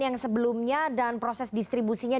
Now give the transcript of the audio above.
yang sebelumnya dan proses distribusinya